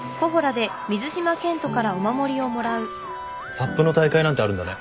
サップの大会なんてあるんだね。